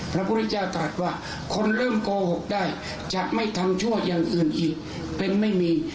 พระพุทธเจ้าตรัสว่าคนเริ่มโกหกได้จะไม่ทำชั่วอย่างอื่นอีกเป็นไม่มี